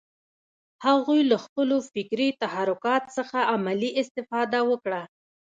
هغوی له خپلو فکري تحرکات څخه عملي استفاده وکړه